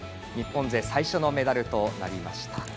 日本勢最初のメダルとなりました。